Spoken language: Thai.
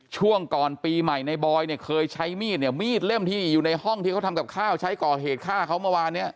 ช่วงก่อนปีใหม่ในบอยเนี่ยเคยใช้มีดเนี่ยมีดเล่มที่อยู่ในห้องที่เขาทำกับข้าวใช้ก่อเหตุฆ่าเขาเมื่อวานเนี่ย